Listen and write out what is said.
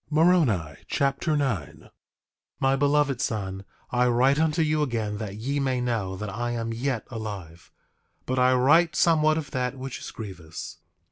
Moroni Chapter 9 9:1 My beloved son, I write unto you again that ye may know that I am yet alive; but I write somewhat of that which is grievous.